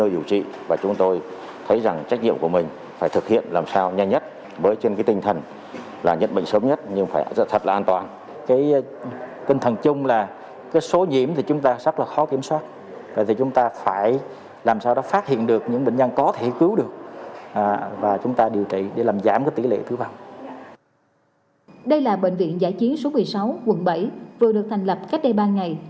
đây là bệnh viện giải chiến số một mươi sáu quận bảy vừa được thành lập cách đây ba ngày